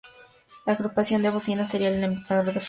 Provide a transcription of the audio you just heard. La agrupación de bocinas sería el alimentador del reflector.